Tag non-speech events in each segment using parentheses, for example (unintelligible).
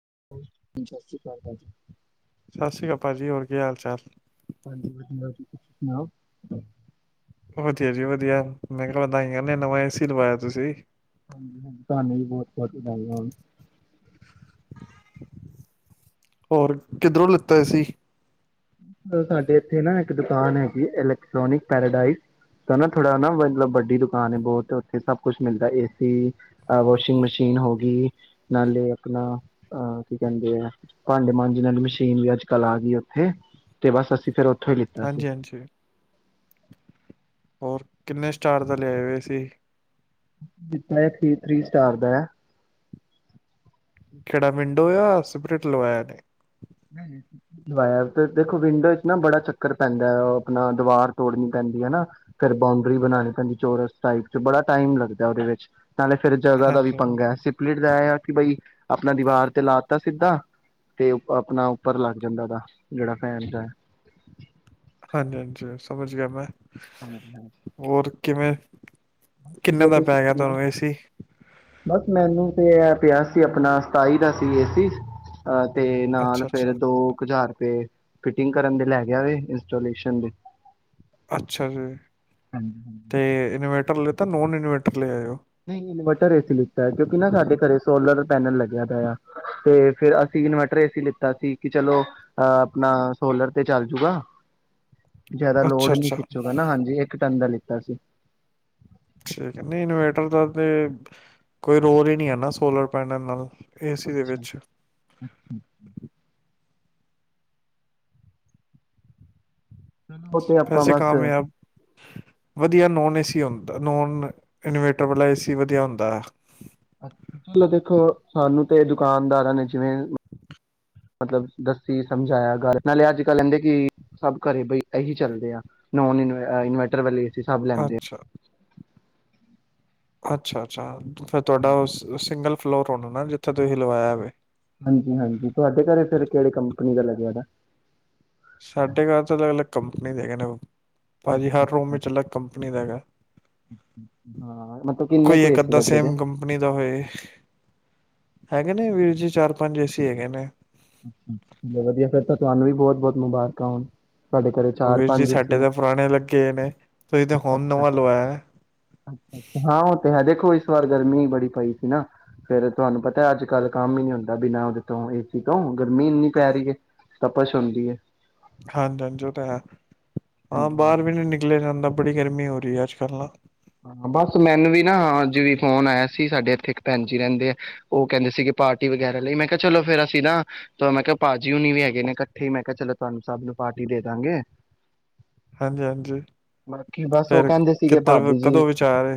(unintelligible) ਸਤਿ ਸ਼੍ਰੀ ਅਕਾਲ ਭਾਜੀ। ਸਤਿ ਸ਼੍ਰੀ ਅਕਾਲ ਭਾਜੀ, ਹੋਰ ਕੀ ਹਾਲ ਚਾਲ? ਹਾਂਜੀ ਵਧੀਆ, ਜੀ ਤੁਸੀਂ ਸੁਣਾਓ? ਵਧੀਆ ਜੀ ਵਧੀਆ ਮੈਂ ਕਿਹਾ ਵਧਾਈਆਂ ਨੇ ਨਵਾਂ ਏਸੀ ਲਵਾਇਆ ਤੁਸੀਂ ਹਾਂਜੀ-ਹਾਂਜੀ, ਤੁਹਾਨੂੰ ਵੀ ਬਹੁਤ ਵਧਾਈਆਂ। ਹੋਰ ਕਿਧਰੋਂ ਲਿੱਤਾ ਸੀ। ਸਾਡੇ ਇੱਥੇ ਨਾ ਇੱਕ ਦੁਕਾਨ ਹੈਗੀ ਇਲੈਕਟ੍ਰੋਨਿਕ ਪੈਰਾਡਾਈਜ਼ ਤਾਂ ਨਾ ਥੋੜਾ ਨਾ ਮਤਲਬ ਵੱਡੀ ਦੁਕਾਨ ਹੈ, ਬਹੁਤ ਉੱਥੇ ਸਭ ਕੁਛ ਮਿਲਦਾ ਏ ਸੀ ਵਾਸ਼ਿੰਗ ਮਸ਼ੀਨ ਹੋ ਗਈ ਨਾਲੇ ਆਪਣਾ ਅਹ ਕੀ ਕਹਿੰਦੇ ਆ ਭਾਂਡੇ ਮਾਂਜੇ ਆਲੀ ਮਸ਼ੀਨ ਵੀ ਅੱਜ- ਕਲ੍ਹ ਆ ਗਈ। ਤੇ ਬਸ ਅਸੀਂ ਫਿਰ ਹਾਂਜੀ- ਹਾਂਜੀ। ਹੋਰ ਕਿੰਨੇ ਸਟਾਰ ਦਾ ਲਿਆਏ ਹੋਏ ਸੀ। ਜਿੱਥਾਂ ਇਹ ਥ੍ਰੀ- ਥ੍ਰੀ ਸਟਾਰ ਦਾ ਹੈ। ਕਿਹੜਾ ਵਿੰਡੋ ਆ ਜਾਂ ਸਪਰਿਟ ਲਵਾਇਆ ਨੇ ਤੇ ਦੇਖੋ ਵਿੰਡੋ ਵਿੱਚ ਨਾ ਬੜਾ ਚੱਕਰ ਪੈਂਦਾ ਆਪਣਾ ਦੀਵਾਰ ਤੋੜਨੀ ਪੈਂਦੀ ਹੈ ਹਨਾ ਫਿਰ ਬਾਉਂਡਰੀ ਬਣਾਉਣੀ ਪੈਂਦੀ ਚੋਰਸ ਟਾਈਪ ਚ ਬੜਾ ਟਾਈਮ ਲੱਗਦਾ ਉਹਦੇ ਵਿੱਚ ਨਾਲੇ ਫਿਰ ਜਗ੍ਹਾ ਦਾ ਵੀ ਹਾਂਜੀ, ਪੰਗਾ ਹੈ ਸਿਪਲੀਟ ਦਾ ਇਹ ਆ ਕਿ ਬਈ ਆਪਣਾ ਦੀਵਾਰ ਤੇ ਲਾ ਦਿਤਾ। ਸਿੱਧਾ ਤੇ ਆਪਣਾ ਉੱਪਰ ਲੱਗ ਜਾਂਦਾ ਗਾ ਜਿਹੜਾ ਫੈਨ ਦਾ ਹਾਂਜੀ-ਹਾਂਜੀ ਸਮਝ ਗਿਆ ਮੈਂ ਹਾਂਜੀ ਹਾਂਜੀ ਹੋਰ ਕਿਵੇਂ? ਕਿੰਨਾ ਜੇ ਦਾ ਤੁਸੀਂ ਪੈ ਗਿਆ ਸੁਣਾਓ ਤੁਆਨੂੰ ਏ ਸੀ? ਬਸ ਮੈਨੂੰ ਤੇ ਏ ਪਿਆ ਸੀ ਆਪਣਾ ਸਤਾਈ ਦਾ ਸੀ ਏ ਸੀ ਅ ਤੇ ਨਾਲ ਫੇਰ ਅੱਛਾ-ਅੱਛਾ, ਦੋ ਕੁਜ਼ਾਰ ਤੇ ਫਿਟਿੰਗ ਕਰਨ ਦੇ ਲੈ ਗਿਆ ਇੰਸਟੇਸ਼ਨ ਦੇ। ਅੱਛਾ ਜੀ ਹਾਂਜੀ ਤੇ ਇਨਵੇਟਰ ਲਿ ਤਾਂ ਨੋਨ ਇਨਵੇਟਰ ਲੈ ਆਇਓ। ਨਹੀਂ ਬ ਘਰ ਏ ਸੀ ਲਿਖਤਾ ਹੈ ਕਿਉਂਕਿ ਨਾਂ ਸਾਡੇ ਘਰੇ ਸੋਲਰ ਪੈਨਲ ਲੱਗਿਆ ਪਿਆ ਤੇ ਫਿਰ ਅਸੀਂ ਇਨਵਰਟਰ ਇਸ ਲਿੱਤਾ ਸੀ ਕਿ ਚਲੋ ਅਹ ਆਪਣਾ ਸੋਲਰ ਤੇ ਚੱਲ ਜੂਗਾ। ਜਿਆਦਾ ਲੋੜ ਨਹੀਂ ਅੱਛਾ-ਅੱਛਾ ਖਿੱਚੂਗਾ ਨਾਂ ਹਾਂਜੀ ਇੱਕ ਟਨ ਦਾ ਲਿ ਕੀਤਾ ਸੀ। ਠੀਕ ਐ, ਨਈਂ ਇਨਵੇਟਰ ਦਾ ਤੇ ਕੋਈ ਰੋਲ ਈ ਨਈਂ ਐ ਨਾਂ ਸੋਲਰ ਪੈਨਲ ਨਾਲ ਏਸੀ ਦੇ ਅੱਛਾ ਵਿੱਚ ਅ ਚਲੋ ਉਹ ਤੇ ਆਪਾਂ ਵੈਸੇ ਬਸ ਕਾਮਯਾਬ ਵਧੀਆ ਨੋਨ ਏਸੀ ਹੁੰਦਾ ਨੋਨ ਇਨਵੇਟਰ ਵਾਲਾ ਏਸੀ ਵਧੀਆ ਹੁੰਦਾ। ਚਲੋ, ਦੇਖੋ ਸਾਨੂੰ ਤੇ ਦੁਕਾਨਦਾਰਾਂ ਨੇ ਜਿਵੇਂ ਮਤਲਬ ਦੱਸੀ ਸਮਝਾਇਆ, ਗੱਲ ਨਾਲੇ ਅੱਜ ਕੱਲ ਕਹਿੰਦੇ ਕਿ ਸਭ ਘਰੇ ਬਈ ਇਹੀ ਚੱਲਦੇ ਆ ਨੋਨ ਇ ਇਨਵਰਟਰ ਵਾਲੇ ਏਸੀ ਸਭ ਲੈਂਦੇ ਆ ਅੱਛਾ। ਅੱਛਾ, ਅੱਛਾ। ਫਿਰ ਤੁਆਡਾ ਉਹ ਹਾਂਜੀ ਉਸ ਸਿੰਗਲ ਫਲੋਰ ਹੋਨਾ ਨਾਂ ਜਿੱਥੇ ਤੁਸੀਂ ਲਵਾਇਆ ਵੇ। ਹਾਂਜੀ, ਹਾਂਜੀ ਤੁਆਡੇ ਘਰੇ ਫਿਰ ਕਿਹੜੇ ਕੰਪਨੀ ਦਾ ਲੱਗਿਆ ਦਾ ਸਾਡੇ ਘਰ ਤਾਂ ਅਲੱਗ-ਅਲੱਗ ਕੰਪਨੀ ਦੇ ਹੈਗੇ, ਨੇ ਭਾਜੀ ਅੱਛਾ ਹਰ ਅੱਛਾ ਰੂਮ ਵਿੱਚ ਅਲੱਗ ਕੰਪਨੀ ਦਾ ਹੈਗਾ। ਹਾਂ, ਮਤਲਬ ਕਿੰਨੇ ਕੋਈ ਕੁ ਇੱਕ ਏਸੀ ਅੱਧਾ ਲੱਗੇ ਦੇ। ਸੇਮ ਕੰਪਨੀ ਦਾ ਹੋਏ ਹੈਗੇ ਨੇ ਵੀਰ ਜੀ ਚਾਰ-ਪੰਜ ਏਸੀ ਹੈਗੇ ਨੇ। ਵਧੀਆ ਫਿਰ ਤਾਂ ਤੁਆਨੂੰ ਵੀ ਬਹੁਤ-ਬਹੁਤ ਮੁਬਾਰਕਾਂ ਹੁਣ ਉਹ ਵੀਰ ਜੀ ਸਾਡੇ ਤਾਂ ਪੁਰਾਣੇ ਲੱਗੇ ਨੇਂ ਤੁਹੀ ਤੇ ਹੁਣ ਅੱਛਾ ਨਵਾਂ ਲਵਾਇਆ। ਹਾਂ, ਉਹ ਤੇ ਹੈ, ਦੇਖੋ ਇਸ ਵਾਰ ਗਰਮੀ ਬੜੀ ਪਈ ਸੀ ਨਾਂ ਫੇਰ ਤੁਹਾਨੂੰ ਪਤਾ ਅੱਜ ਕੱਲ ਕੰਮ ਈ ਨੀਂ ਹੁੰਦਾ ਬਿਨਾਂ ਉਹਦੇ ਤੋਂ ਏਸੀ ਤੋਂ ਗਰਮੀ ਇੰਨੀ ਪੈ ਰਹੀ ਐ, ਤਪਸ਼ ਹੁੰਦੀ ਐ। ਹਾਂਜੀ, ਹਾਂਜੀ, ਉਹ ਤਾਂ ਹੈ। ਹਾਂ, ਬਾਰ ਵੀ ਨੀ ਨਿਕਲਿਆ ਜਾਂਦਾ। ਬੜੀ ਗਰਮੀ ਹੋ ਰਹੀ ਐ, ਅੱਜ ਕੱਲ੍ਹ ਨਾ ਹਾਂ, ਬਸ ਮੈਨੂੰ ਵੀ ਨਾਂ ਅਜੱ ਵੀ ਫੋਨ ਆਇਆ ਸੀ, ਸਾਡੇ ਇੱਥੇ ਇੱਕ ਭੈਣ ਜੀ ਰਹਿੰਦੇ ਆ, ਉਹ ਕਹਿੰਦੇ ਸੀਗੇ ਪਾਰਟੀ ਵਗੈਰਾ ਲਈ ਮੈਂ ਕਿਹਾ ਚਲੋ ਫਿਰ ਅਸੀਂ ਨਾ ਮੈਂ ਕਿਹਾ ਭਾਜੀ ਹੋਣੀ ਵੀ ਹੈਗੇ ਨੇ ਇਕੱਠੇ ਮੈਂ ਕਿਆ ਚਲੋ, ਤੁਆਨੂੰ ਸਭ ਨੂੰ ਪਾਰਟੀ ਦੇ ਦੇਦਾਂਗੇ। ਹਾਂਜੀ ਹਾਂਜੀ ਬਾਕੀ ਬਸ ਉਹ ਫਿਰ ਕਹਿੰਦੇ ਸੀਗੇ ਭਾ ਕਿੱਧਰ ਕਦੋਂ ਵਿਚਾਰ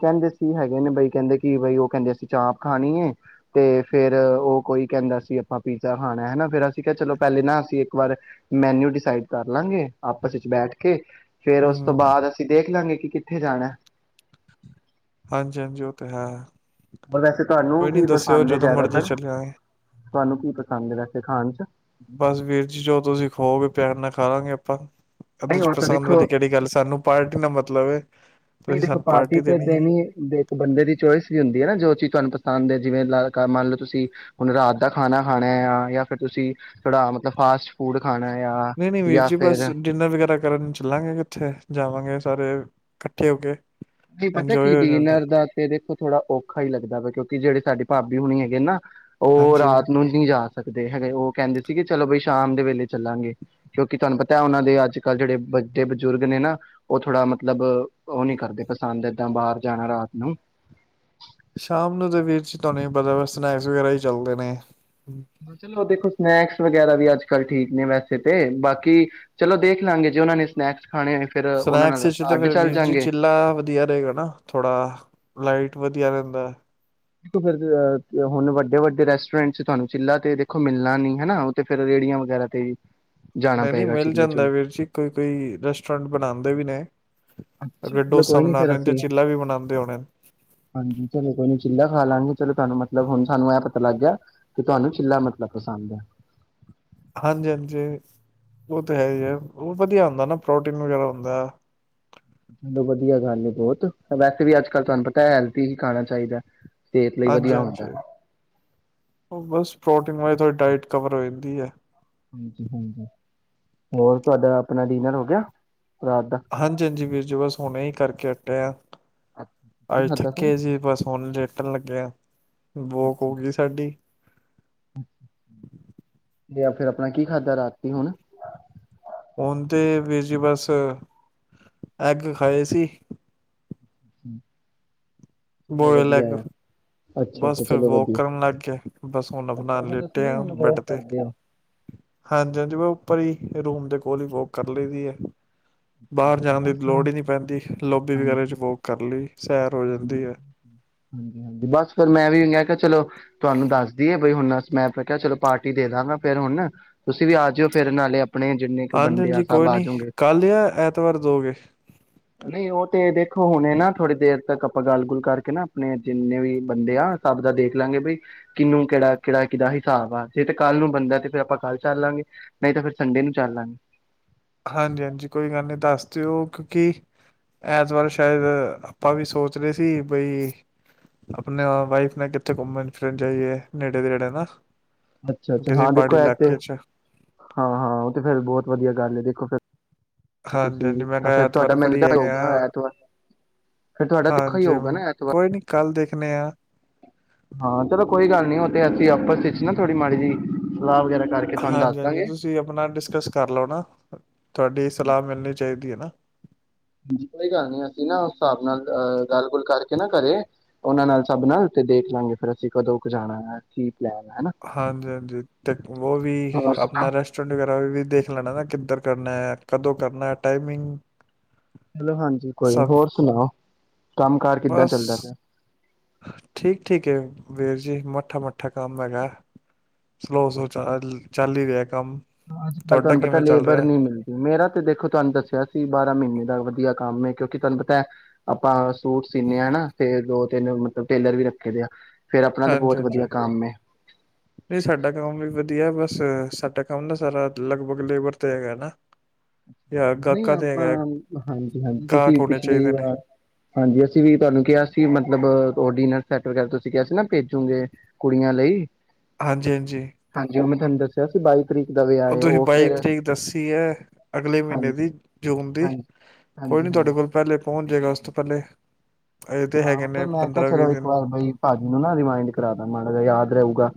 ਕਹਿੰਦੇ ਸੀ ਹੈਗੇ, ਨੇ ਬਈ ਕਹਿੰਦੇ ਕਿ ਬਈ ਉਹ ਕਹਿੰਦੇ ਅਸੀਂ ਚਾਪ ਖਾਣੀ ਹੈ ਤੇ ਫੇਰ ਉਹ ਕੋਈ ਕਹਿੰਦਾ ਸੀ, ਆਪਾਂ ਪੀਜ਼ਾ ਖਾਣਾ ਹਨਾ, ਫਿਰ ਅਸੀਂ ਕ ਚਲੋ ਪਹਿਲੇ ਨਾ ਅਸੀਂ ਇੱਕ ਵਾਰ ਮੈਨਊ ਡਿਸਾਈਡ ਕਰ ਲਾਂਗੇ ਆਪਸ ਵਿੱਚ ਬੈਠ ਕੇ ਫੇਰ ਉਸ ਤੋਂ ਹੂੰ ਬਾਅਦ, ਦੇਖ ਲਾਂਗੇ ਕਿ ਕਿੱਥੇ ਜਾਣਾ ਹਾਂਜੀ-ਹਾਂਜੀ ਉਹ ਤੇ ਹੈ। ਵੈਸੇ ਤੁਹਾਨੂੰ ਕੋਈ ਨੀ ਕੀ ਦੱਸਿਓ ਪਸੰਦ ਹੈ ਜਦੋਂ ਮਰਜੀ ਜ਼ਿਆਦਾਤਰ ਚੱਲਿਆਗੇ। ਤੁਹਾਨੂੰ ਕੀ ਪਸੰਦ ਹੈ ਵੈਸੇ ਖਾਣ ਚ, ਬਸ ਵੀਰ ਜੀ ਜੋ ਤੁਸੀਂ ਖਵਾਉਗੇ ਪਿਆਰ ਨਾਲ ਖਾਲਾਗੇ ਆਪਾਂ ਇਹਦੇ ਨਹੀਂ ਚ ਉਹ ਤਾਂ ਪਸੰਦ ਦੇਖੋ, ਵਾਲੀ ਕਿਹੜੀ ਗੱਲ ਸਾਨੂੰ ਪਾਰਟੀ ਨਾਲ ਮਤਲਬ ਏ ਨਹੀਂ ਤੁਸੀਂ ਦੇਖੋ ਸਾਨੂੰ ਪਾਰਟੀ ਤੇ ਏ। ਦੇਣੀ ਦੇ ਇੱਕ ਬੰਦੇ ਦੀ ਚੋਇਸ ਵੀ ਹੁੰਦੀ ਹੈ ਨਾ ਜੋ ਚੀਜ਼। ਤੁਹਾਨੁੰ ਪਸੰਦ ਹੈ, ਜਿਵੇਂ ਮੰਨ ਲਓ ਤੁਸੀਂ ਹੁਣ ਰਾਤ ਦਾ ਖਾਣਾ ਖਾਣਾ ਆ ਜਾਂ ਫਿਰ ਤੁਸੀਂ ਥੋੜਾ ਮਤਲਬ ਫਾਸਟ ਫੂਡ ਖਾਣਾ ਹੈ ਆ ਨਹੀਂ ਨਹੀਂ ਵੀਰ ਜਾਂ ਜੀ ਬਸ ਫਿਰ ਡਿਨਰ ਵਗੈਰਾ, ਕਰਨ ਚੱਲਾਂਗੇ ਕਿੱਥੇ ਜਾਵਾਂਗੇ ਸਾਰੇ ਇਕੱਠੇ ਹੋ ਕੇ, ਕੀ ਪਤਾ ਕੀ ਇੰਜੋਏ ਹੋ ਜਾਂਦਾ ਡੀਨਰ ਦਾ ਤੇ ਦੇਖੋ, ਥੋੜਾ ਔਖਾ ਹੀ ਲੱਗਦਾ ਵਾ ਕਿਉਂਕਿ ਤੇ ਜਿਹੜੇ ਸਾਡੀ ਭਾਬੀ ਹੋਣੀ ਹੈਗੇ ਨਾ ਉਹ ਹਾਂਜੀ। ਰਾਤ ਨੂੰ ਨਹੀਂ ਜਾ ਸਕਦੇ ਹੈਗੇ, ਉਹ ਕਹਿੰਦੇ ਸੀਗੇ ਚਲੋ ਬਈ ਸ਼ਾਮ ਦੇ ਵੇਲੇ ਚੱਲਾਂਗੇ ਕਿਉਂਕਿ ਤੁਹਾਨੂੰ ਪਤਾ ਉਹਨਾਂ ਦੇ ਅੱਜ ਕੱਲ੍ਹ ਜਿਹੜੇ ਵੱਡੇ ਬਜ਼ੁਰਗ ਨੇ ਨਾ ਉਹ ਥੋੜਾ ਮਤਲਬ ਉਹ ਨੀ ਕਰਦੇ। ਪਸੰਦ ਏਦਾਂ ਬਾਹਰ ਜਾਣਾ ਰਾਤ ਨੂੰ। ਸ਼ਾਮ ਨੂੰ ਤਾਂ ਵੀਰ ਜੀ ਤੁਹਾਨੂੰ ਹੀ ਪਤਾ ਵੀ ਸਨੈਕਸ ਵਗੈਰਾ ਹੀ ਚੱਲਦੇ ਨੇ। ਚਲੋ ਦੇਖੋ ਸਨੈਕਸ। ਵਗੈਰਾ ਵੀ ਅੱਜ ਕੱਲ੍ਹ ਠੀਕ ਨੇ ਵੈਸੇ ਤੇ ਬਾਕੀ ਚਲੋ ਦੇਖ ਲਾਂਗੇ ਜੇ ਉਹਨਾਂ ਨੇ ਸਨੈਕਸ। ਖਾਣੇ ਹੋਏ ਫਿਰ ਉਹਨਾਂ ਸਨੈਕਸ ਨਾਲ ਵਿਚ ਤੇ ਅੱਡ ਫਿਰ ਚੱਲ ਵੀਰ ਜੀ ਜਾਂਗੇ ਚਿੱਲਾ ਵਧੀਆ ਰਹੇਗਾ ਨਾ ਥੋੜਾ ਲਾਈਟ। ਵਧੀਆ ਰਹਿੰਦਾ ਹੈ। ਦੇਖੋਂ ਫਿਰ ਹੁਣ ਵੱਡੇ ਵੱਡੇ ਰੈਸਟੋਰੈਂਟ ਚ ਤੁਹਾਨੂੰ ਚਿੱਲਾ ਤੇ ਦੇਖੋ ਮਿਲਣਾ ਨਹੀ ਹਨਾ ਉਹ ਤੇ ਫਿਰ ਰੇਹੜੀਆਂ ਵਗੈਰਾ ਤੇ। ਜਾਣਾ ਨਹੀਂ ਨਹੀਂ ਪਏਗਾ ਮਿਲ ਚਿੱਲੇ ਜਾਂਦਾ ਚੁੱਲੇ ਵੀਰ ਜੀ ਕੋਈ ਕੋਈ ਰੈਸਟੋਰੈਂਟ ਬਣਾਉਂਦੇ ਵੀ ਨੇ। ਅੱਛਾ ਅਗਰ ਚਲੋ ਡੋਸਾ ਕੋਈ ਨੀ ਬਣਾ ਫੇਰ ਰਹੇ ਤੇ ਅਸੀਂ ਚਿੱਲਾ ਵੀ ਬਣਾਉਂਦੇ ਹੋਣੇ ਹਾਂਜੀ ਚਲੋ ਕੋਈ ਨੀ ਚਿੱਲਾ ਖਾ ਲਾਂਗੇ। ਚਲੋ ਤੁਹਾਨੂੰ ਮਤਲਬ ਹੁਣ ਸਾਨੂੰ ਇਹ ਪਤਾ ਲੱਗ ਗਿਆ ਕਿ ਤੁਹਾਨੂੰ ਚਿੱਲਾ ਮਤਲਬ ਪਸੰਦ ਹੈ। ਹਾਂਜੀ ਹਾਂਜੀ। ਉਹ ਤੇ ਹੈ ਹੀ ਉਹ ਵਧੀਆ ਹੁੰਦਾ ਨਾ। ਪ੍ਰੋਟੀਨ ਵਗੈਰਾ ਹੁੰਦਾ। ਚਲੋ ਵਧੀਆ ਗੱਲ ਬਹੁਤ ਵੈਸੇ ਵੀ ਅੱਜ ਕੱਲ ਤੁਹਾਨੂੰ ਪਤਾ ਹੈਲਥੀ ਹੀ ਖਾਣਾ ਚਾਹੀਦਾ। ਸਿਹਤ ਲਈ ਹਾਂਜੀ ਵਧੀਆ ਹੁੰਦਾ ਹਾਂਜੀ ਉਹ ਬਸ ਪ੍ਰੋਟੀਨ ਹੋਏ ਥੋੜੀ ਡਾਇਾਈਟ ਕਵਰ ਹੋ ਜਾਂਦੀ ਹੈ। ਹਾਂਜੀ ਹਾਂਜੀ ਹੋਰ ਤੁਹਾਡਾ ਆਪਣਾ ਡਿਨਰ ਹੋ ਗਿਆ। ਰਾਤ ਦਾ? ਹਾਂਜੀ ਹਾਂਜੀ ਵੀਰ ਜੀ ਬਸ ਹੁਣੇ ਹੀ ਕਰਕੇ। ਚੱਟਿਆ। ਅੱਛਾ, ਕੀ ਅੱਜ ਖਾਧਾ ਫਿਰ? ਥੱਕੇ ਸੀ ਬਸ ਹੁਣ ਲੇਟਣ ਲੱਗੇ ਆ ਬੋਕ ਹੋ ਗਈ ਸਾਡੀ। ਤੇ ਫਿਰ ਆਪਣਾ ਕੀ ਖਾਧਾ ਰਾਤੀ ਹੁਣ। ਉਹਦੇ ਵਿੱਚ ਬਸ ਐਗ ਖਾਏ ਸੀ। (inaudible) ਬੋਏਲ ਵਧੀਆ ਐਗ ਆ ਅੱਛਾ ਬਸ ਅੱਛਾ ਫਿਰ ਚਲੋ ਬੋਕ ਵਧੀਆ ਕਰਨ ਲੱਗ ਗਿਆ ਬਸ ਹੁਣ ਆਪਣਾ ਅੱਛਾ ਅੱਛਾ ਤੁਸੀਂ ਲੇਟੇ ਵੀ ਆ ਹੁਣ ਬੈਡ ਵੋਕ ਤੇ ਕਰਦੇ ਹੋ? ਹਾਂਜੀ ਹਾਂਜੀ ਮੈਂ ਉੱਪਰ ਹੀ। ਤੇ ਰੂਮ ਦੇ ਕੋਲ ਹੀ ਬੋਕ ਕਰ ਲਈ ਦੀ ਹੈ। ਬਾਹਰ ਜਾਣ ਦੀ ਬਸ ਹਾਂਜੀ ਲੋੜ ਹੀ ਨਹੀਂ ਪੈਂਦੀ ਲੋਬੀ ਹਾਂਜੀ ਵਗੈਰੇ ਚ ਵੋਕ ਕਰ ਲਈ ਸੈਰ ਹੋ ਜਾਂਦੀ ਹੈ। ਹਾਂਜੀ ਹਾਂਜੀ ਬਸ ਫਿਰ ਮੈਂ ਵੀ ਮੈਂ ਕਿਹਾ ਚਲੋ। ਤੁਹਾਨੂੰ ਦੱਸਦੀਏ ਬਈ ਹੁਨ। ਮੈਂ ਫੇਰ ਕਿਹਾ ਚਲੋ ਪਾਰਟੀ ਦੇ ਦਾਂਗਾ ਫੇਰ ਹੁਨ ਤੁਸੀ ਵੀ ਆ ਜਾਓ ਫੇਰ ਨਾਲੇ। ਆਪਣੇ ਜਿੰਨੇ ਕ ਹਾਂਜੀ ਬੰਦੇ ਆ ਹਾਂਜੀ ਕੋਈ ਸਭ ਆ ਨੀ ਜਉਗੇੰ। ਕੱਲ ਜਾਂ ਐਤਵਾਰ ਦੋਗੇ ਨਹੀਂ ਉਹ ਤੇ ਦੇਖੋ ਹੁਨੇ ਨਾ ਥੋੜੀ ਦੇਰ ਤੱਕ। ਆਪਾਂ ਗੱਲ ਗੁੱਲ ਕਰਕੇ ਨਾ ਆਪਨੇ ਜਿੰਨੇ ਵੀ ਬੰਦੇ ਆ ਸਭ ਦਾ ਦੇਖ ਲਾਂਗੇ ਬਈ ਕਿਹਨੂੰ ਕਿਹੜਾ ਕਿਹੜਾ ਕਿਦਾ ਹਿਸਾਬ ਆ ਜੇ ਤੇ ਕੱਲ ਨੂੰ ਬੰਦਾ ਤੇ ਫਿਰ ਆਪਾਂ ਕੱਲ ਚੱਲ ਲਾਂਗੇ ਨਹੀਂ ਤੇ ਫਿਰ ਸੰਡੇ ਨੂੰ ਚੱਲ ਲਾਂਗੇ। ਹਾਂਜੀ ਹਾਂਜੀ ਕੋਈ ਗੱਲ ਨੀ ਦੱਸ ਦਿਓ ਕਿ ਐਤਵਾਰ ਸ਼ਾਇਦ ਆਪਾਂ ਵੀ ਸੋਚ ਰਹੇ ਸੀ ਬਈ ਆਪਨੇ ਵਾਈਫ ਨੇ ਕਿੱਥੇ ਘੁੰਮਨ ਫਿਰਨ ਜਾਈਏ ਨੇੜੇ ਤੇੜੇ ਨਾ। ਅੱਛਾ ਅੱਛਾ ਕਿਸੇ ਹਾਂ ਪਹਾੜੀ ਦੇਖੋ ਐ ਤੇ ਇਲਾਕੇ ਚ ਹਾਂ ਹਾਂ ਉਹ ਤੇ ਫੇਰ ਬਹੋਤ ਵਧੀਆ। ਗੱਲ ਹੈ ਦੇਖੋ ਫਿਰ। ਹਾਂਜੀ ਹਾਂਜੀ ਮੈਂ ਕਿਹਾ ਐਤਵਾਰ ਫਰੀ ਹੈਗੇ ਆ (unintelligible) (unintelligible) ਹਾਂ। ਹਾਂ ਚਲੋ ਕੋਈ ਗੱਲ ਨੀ ਉਹ ਤੇ ਅਸੀਂ ਆਪਸ ਵਿੱਚ ਨਾ ਥੋੜ੍ਹੀ ਮਾੜੀ ਜੀ ਸਲਾਹ ਵਗੈਰਾ ਕਰਕੇ ਤੁਹਾਨੂੰ ਦੱਸ ਹਾਂਜੀ, ਹਾਂਜੀ ਦਾਂਗੇ ਤੁਸੀਂ ਆਪਨਾ ਡਿਸਕਸ ਕਰ ਲਓ ਨਾ ਤੁਹਾਡੀ ਸਲਾਹ ਮਿਲਨੀ ਚਾਹੀਦੀ। (unintelligible) ਕੋਈ ਗੱਲ ਨੀ ਅਸੀਂ ਨਾ ਉਸ ਹਿਸਾਬ ਨਾਲ ਅਹ ਗੱਲ, ਗੁੱਲ ਕਰਕੇ ਨਾ ਘਰੇ ਉਹਨਾਂ ਨਾਲ ਸਭ ਨਾਲ ਤੇ ਦੇਖ ਲਾਂਗੇ ਫੇਰ ਅਸੀਂ ਕਦੋਂ ਕੁ ਜਾਣਾ ਹੈ ਕ ਹਾਂਜੀ, ਹਾਂਜੀ। ਤੇ ਉਹ ਵੀ ਹੋਰ ਸੁਣਾ। ਆਪਨਾ ਰੈਸਟੋਰੈਂਟ ਵਗੈਰਾ ਵੀ ਦੇਖ ਲੈਨਾ ਨਾ ਕਿੱਧਰ ਕਰਨਾ ਏ ਕਦੋਂ ਕਰਨਾ ਏ ਟਾਈਮਿੰਗ ਚਲੋ ਹਾਂਜੀ ਕੋਈ ਨ ਸਭ ਹੋਰ ਸੁਨਾਓ ਕੰਮ ਕਾਰ ਕਿੱਦਾਂ ਬਸ ਚੱਲਦਾ ਪਿਆ ਠੀਕ, ਠੀਕ ਏ ਵੀਰ ਜੀ ਮੱਠਾ, ਮੱਠਾ ਕੰਮ ਹੈਗਾ। ਸਲੋ ਸਲੋ ਚ ਚੱਲ ਹੀ ਰਿਹਾ ਕੰਮ ਅੱਜ ਕੱਲ ਤੁਹਾਡਾ ਤੁਹਾਨੂੰ ਪਤਾ ਕਿਵੇਂ ਚੱਲ ਲੇਬਰ ਰਿਹਾ ਨੀ ਮਿਲਦੀ। ਮੇਰਾ ਤੇ ਦੇਖੋ ਤੁਹਾਨੂੰ ਦੱਸਿਆ ਸੀ ਬਸ ਮਹੀਨੇ ਦਾ ਵਧੀਆ ਕੰਮ ਏ ਕਿਉਂਕਿ ਤੁਹਾਨੂੰ ਪਤੈ ਆਪਾਂ ਸੂਟ ਸੀਨੇ ਆਂ ਨਾ ਤੇ ਦੋ ਤਿੰਨ ਮਤਲਬ ਟੇਲਰ ਵੀ ਰੱਖੇ ਦੇ ਆ ਫੇਰ ਆਪਣਾ ਤੇ ਹਾਂਜੀ, ਬਹੁਤ ਹਾਂਜੀ। ਵਧੀਆ ਕੰਮ ਹੈ ਨਹੀਂ ਸਾਡਾ ਕੰਮ ਵੀ ਵਧੀਆ ਬਸ ਸਾਡਾ ਕੰਮ ਨਾ ਸਾਰਾ ਲਗਭਗ ਲੇਬਰ ਤੇ ਹੈਗਾ ਨਾ ਜਾਂ ਨਹੀਂ ਗਾਹਕਾਂ ਤੇ ਆਪਾਂ ਹੈਗਾ ਹਾਂਜੀ ਹਾਂਜੀ ਤੁਸੀਂ ਗਾਹਕ ਹੋਣੇ ਪਿਛਲੀ ਚਾਹੀਦੇ ਨੇ ਵਾਰ ਹਾਂਜੀ ਅਸੀਂ ਵੀ ਤੁਹਾਨੂੰ ਕਿਹਾ ਸੀ ਮਤਲਬ ਓਡੀਨੈਂਸ ਸੈਟ ਵਗੈਰਾ ਤੁਸੀਂ ਕਿਹਾ ਸੀ ਨਾ ਭੇਜੋਗੇ ਕੁੜੀਆਂ ਲਈ ਹਾਂਜੀ, ਹਾਂਜੀ। ਹਾਂਜੀ ਉਹ ਮੈਂ ਦੱਸਿਆ ਸੀ ਬਾਈ ਤਰੀਕ ਦਾ ਉਹ ਵਿਆਹ ਹੈ ਤੁਸੀਂ ਬਾਈ ਫਿਰ ਤਰੀਕ ਦੱਸੀ ਹੈ। ਅਗਲੇ ਮਹੀਨੇ ਹਾਂਜੀ ਦੀ ਜੂਨ ਦੀ, ਹਾਂਜੀ ਕੋਈ ਹਾਂਜੀ ਨੀ ਹਾਂਜੀ ਤੁਹਾਡੇ ਕੋਲ ਪਹਿਲੇ ਪਹੁੰਚ ਜਾਏਗਾ ਉਸ ਤੋਂ ਪਹਿਲੇ ਅਜੇ ਹੈਗੇ ਹਾਂ, ਤੇ ਨੇ ਮੈਂ ਕਿਹਾ- ਪੰਦਰਾਂ ਵੀਹ ਚਲੋ ਇੱਕ ਦਿਨ ਵਾਰ ਬਈ ਭਾਜੀ ਨੂੰ ਨਾ ਰਿੀਮਾਇੰਡ ਕਰਾ ਦ ਮਾੜਾ ਯਾਦ ਰਹੂਗਾ।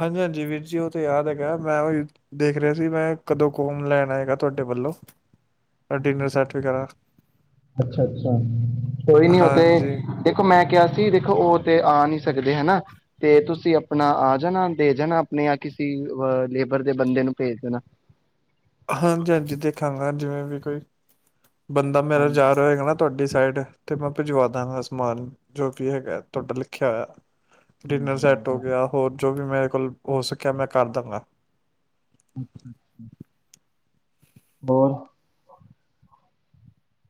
ਹਾਂਜੀ, ਹਾਂਜੀ ਵੀਰ ਜੀ ਉਹ ਤੇ ਯਾਦ ਹੈਗਾ ਮੈਂ ਉਹੀ ਦੇਖ ਰਿਹਾ ਸੀ। ਮੈਂ ਕਦੋਂ ਕੌਮ ਲੈਣ ਆਏਗਾ ਤੁਹਾਡੇ ਵੱਲੋਂ ਡਿਨਰ ਸੈੱਟ ਵਗੈਰਾ ਅੱਛਾ, ਅੱਛਾ ਕੋਈ ਨੀ ਉਹ ਤੇ, ਹਾਂਜੀ ਦੇਖੋ, ਮੈਂ ਕਿਹਾ ਸੀ ਦੇਖੋ ਉਹ ਤੇ ਆ ਨੀ ਸਕਦੇ ਹਨਾ। ਤੇ ਤੁਸੀਂ ਆਪਣਾ ਆ ਜਾਣਾ ਦੇ ਜਾਣਾ ਆਪਣੇ ਜਾਂ ਕਿਸੇ ਅ ਲੇਬਰ ਦੇ ਬੰਦੇ ਨੂੰ ਭੇਜ ਦੇਣਾ ਹਾਂਜੀ, ਹਾਂਜੀ ਦੇਖਾਂਗਾ ਜਿਵੇਂ ਵੀ ਕੋਈ ਬੰਦਾ ਮੇਰਾ ਹਾਂਜੀ ਜਾ ਰਿਹਾ ਹੋਗਾ ਨਾ ਤੁਹਾਡੀ ਸਾਈਡ ਤੇ ਮੈਂ ਭਿਜਵਾ ਦਾਂਗਾ ਸਮਾਨ, ਜੋ ਵੀ ਹੈਗਾ ਤੁਹਾਡਾ ਲਿਖਿਆ ਹੋਇਆ ਡਿਨਰ ਹਾਂਜੀ ਸੈੱਟ ਹੋ ਹਾਂਜੀ ਗਿਆ। ਹੋਰ ਜੋ ਵੀ ਮੇਰੇ ਕੋਲ ਹੋ ਸਕਿਆ ਮੈਂ ਕਰ ਦਾਂਗਾ (inaudible) ਹੋਰ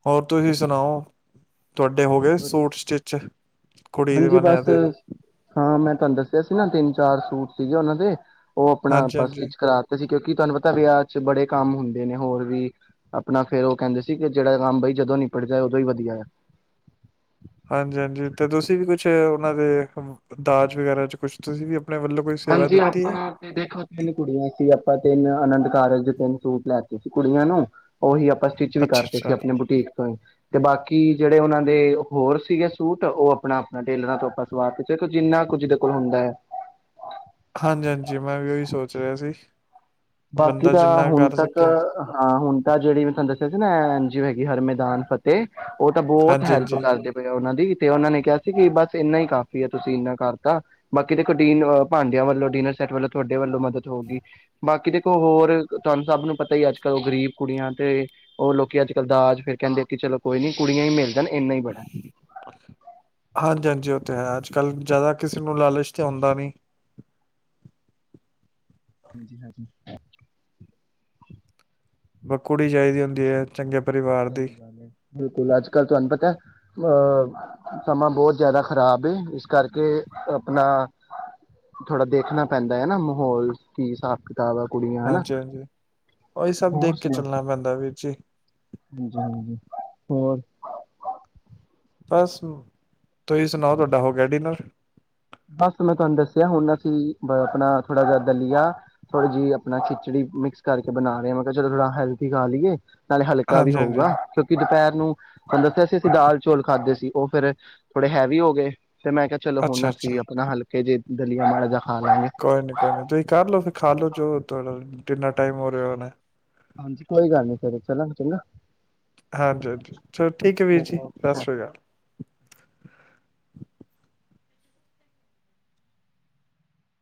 ਹੋਰ ਤੁਸੀਂ ਸੁਣਾਓ? ਤੁਹਾਡੇ ਹੋ ਗਏ ਬਸ ਵਧੀਆ ਸੂਟ ਸਟਿਚ? ਕੁੜੀ ਦੇ ਹਾਂਜੀ। ਬਣਿਆ ਬਸ, ਤੇ ਹਾਂ। ਮੈਂ ਤੁਹਾਨੂੰ ਦੱਸਿਆ ਸ ਸੀ। ਨਾ ਤਿੰਨ -ਚਾਰ ਸੂਟ ਸੀਗੇ ਔਨਾਂ ਦੇ ਔ ਅਪਣਾ ਹਾਂਜੀ ਅਪਾ ਹਾਂਜੀ ਸਟਿਚ ਕਰਾਤੇ ਸੀ। ਕਿਉਂਕਿ ਤੁਹਾਨੂੰ ਪਤੈ ਵਿਆਹ ਚ ਬੜੇ ਕੰਮ ਹੁੰਦੇ ਨੇ ਹੋਰ ਵੀ, ਅਪਣਾ ਫੇਰ ਔ ਕੈੰਦੇ ਸੀ ਕਿ ਜੇੜਾ ਕੰਮ ਬਈ ਜਦੋਂ ਨੀਪੜ ਜਾਏ ਓਦੋਂ ਈ ਵਧੀਆ ਐ। ਹਾਂਜੀ -ਹਾਂਜੀ ਤੇ ਤੁਸੀਂ ਵੀ ਕੁਛ ਔਨਾਂ ਦੇ, ਦਾਜ ਵਗੈਰਾ ਚ ਕੁਛ ਤੁਸੀਂ ਵੀ ਵੱਲੋਂ ਕੋਈ ਸੇਵਾ ਹਾਂਜੀ, ਦਿੱਤੀ ਹੈ ਆਪਾਂ ਤੇ ਦੇਖੋ ਤਿੰਨ ਕੁੜੀਆਂ ਸੀ ਅਪਾਂ ਤਿੰਨ ਅਨੰਦ ਕਾਰਜ ਦੇ ਤਿੰਨ ਸੂਟ ਲੈ ਕੁੜੀਆਂ ਨੂੰ ਓਹੀ ਅਪ ਆਪਾਂ ਸਟਿਚ ਵੀ ਅੱਛਾ ਕਰਤੇ ਸੀ। ਅੱਛਾ ਅਪਣੇ ਬੁਟੀਕ ਤੋਂ ਹੀ, ਤੇ ਬਾਕੀ ਜੇੜੇ ਓਨਾਂ ਦੇ, ਹੋਰ ਸੀਗੇ ਸੂਟ, ਓਹ ਅਪਣਾ- ਅਪਣਾ ਟੇਲਰਾਂ ਤੋਂ ਅਪਾਂ ਸਵਾ ਤੇ ਚੇਖੋ ਜਿੰਨਾ ਕੁ ਜਿਦੇ ਕੋ ਹੁੰਦੈ ਹਾਂਜੀ- ਹਾਂਜੀ ਮੈਂ ਵੀ ਓਹੀ ਸੋਚ ਰਿਹਾ ਸੀ। ਬਾਕੀ ਬੰਦਾ ਤਾਂ ਜਿੰਨਾ ਹੁਣ ਕਰ ਤੱਕ, ਸਕੇ ਹਾਂ। ਹੁਣ ਤਾਂ ਜੇੜੀ ਮੈ ਤਨੂੰ ਦੱਸਿਆ ਸ ਐ ਜਿਵੇਕਿ ਹਰ ਮੈਦਾਨ ਫਤੇਹ। ਔ ਤਾਂ ਬਹੁਤ ਹਾਂਜੀ ਹੈਲਪ ਹਾਂਜੀ ਕਰਦੇ ਪਏ ਆ ਓਨਾਂ ਦੀ ਤੇ ਔਨਾਂ ਨੇ ਕਿਆ ਸੀ ਕਿ ਬਸ ਏਨਾ ਹੀ ਕਾਫ਼ੀ ਐ ਤੁਸੀਂ ਇੰਨਾ ਕਰਤਾ। ਬਾਕੀ ਤੇ ਕੁਟੀਨ ਭਾਂਡਿਆਂ ਵੱਲੋਂ ਡਿਨਰ ਸੈੱਟ ਵੱਲੋਂ ਤੁਹਾਡੇ ਵੱਲੋਂ ਮਦਦ ਹੋਗੀ। ਬਾਕੀ ਦੇਖੋ ਹੋਰ ਤੁਹਾਨੂੰ ਸਭ ਨੂੰ ਪਤਾ ਈ ਹੈ। ਅੱਜ ਕੱਲ ਔ ਗ਼ਰੀਬ ਕੁੜੀਆਂ ਤੇ ਔ ਲੋਕੀ ਅੱਜ ਕੱਲ੍ਹ ਦਾਜ ਫੇਰ ਕੈੰਦੇ ਐ ਕਿ ਚਲੋ ਕੋਈ ਨੀ ਕੁੜੀਆਂ ਹੀ ਮੇਲ ਹਾਂਜੀ- ਹਾਂਜੀ ਓ ਤੇ ਹੈ, ਅੱਜ-ਕੱਲ੍ਹ ਜੈਦਾ ਕਿਸੇ ਨੂੰ ਲਾਲਚ ਤੇ ਔਂਦਾ ਨੀ। ਹਾਂਜੀ -ਹਾਂਜੀ। ਬੱ ਕੁੜੀ ਚਾਈਦੀ ਹੁੰਦੀ ਏ, ਚੰਗੇ ਪਰਿਵਾਰ ਦੀ। ਸਹੀ ਗੱਲ ਹੈ ਬਿਲਕੁਲ ਅੱਜ-ਕੱਲ੍ਹ ਤੁਵੈਨੂੰ ਪਤੈ, ਅ ਸਮਾਂ ਬੌਤ ਜੈਦਾ ਖ਼ਰਾਬ ਏ ਇਸ ਕਰਕੇ ਅਪਣਾ ਥੋੜ੍ਹਾ ਦੇਖਣਾ ਪੈਂਦਾ ਏ ਨਾ ਮਾਹੌਲ ਕੀ ਸਾਬ ਕਿ ਹਾਂਜੀ ਹਾਂਜੀ, ਓਹੀ ਸਭ ਹੋਰ ਦੇਖ ਕੇ ਸੁਣਾ ਚੱਲਣਾ ਪੈਂਦੈ ਵੀਰ ਜੀ। ਹਾਂਜੀ ਹਾਂਜੀ ਹੋਰ? ਬਸ ਤੁਸੀਂ ਸੁਣਾਓ ਤੋਡਾ ਹੋ ਗਿਆ ਡਿਨਰ? ਬਸ ਮੈਂ ਤੁਹਾਨੂੰ ਦੱਸਿਆ ਹੁਣ ਅਸੀਂ ਅਪਣਾ ਥੋੜ੍ਹਾ ਜਾ ਦਲੀਆ ਥੋੜ੍ਹੀ ਜੀ ਅਪਣਾ ਖਿਚੜੀ ਮਿਕਸ ਕਰਕੇ ਬਣਾ ਰੇ ਆਂ ਮੈਂ ਕਿਹਾ ਚਲੋ ਥੋੜ੍ਹਾ ਹੈਲਥੀ ਖਾ ਲੀਏ। ਨਾਲੇ ਹਲਕਾ ਵੀ ਹਾਂਜੀ ਹਾਂਜੀ ਹੋਊਗਾ ਕਿਉਂਕਿ ਦੁਪੈਰ ਨੂੰ ਹੁਣ ਦੇਖੋ ਅਸੀ ਅਸੀਂ ਦਾਲ ਚੌਲ ਖਾਧੇ ਸੀ ਔ ਫੇਰ ਥੋੜੇ ਹੈਵੀ ਹੋ ਗਏ। ਤੇ ਮੈਂ ਕਿਆ ਚਲੋ ਹੁੰਣ ਅੱਛਾ ਬੀ ਅੱਛਾ ਅਪਣਾ ਹਲਕੇ ਜੇ ਦਲੀਆ ਮੈਈਦਾ ਕੋਈ ਨੀ ਕੋਈ ਨੀ ਤੁਸੀਂ ਕਰਲੋ ਫੇਰ ਖਾਲੋ ਜੋ ਤੋਲੋ ਟਿੰਨਾ ਟਾਈਮ ਹੋ ਰਿਹਾ ਹੋਣੈ। ਹਾਂਜੀ ਕੋਈ ਗੱਲ ਨੀ ਫੇਰ ਚੱਲਾਂ ਚਲਾਂ। ਹਾਂਜੀ-ਹਾਂਜੀ ਚਲੋ ਠੀਕ ਹੈ, ਵੀਰ ਜੀ ਸਤਿ ਓਕੇ ਸ੍ਰੀ ਅਕਾਲ।